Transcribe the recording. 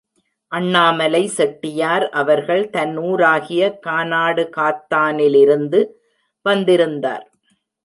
அண்ணாமலை செட்டியார் அவர்கள் தன் ஊராகிய கானாடுகாத்தானிலிருந்து வந்திருந்தார்.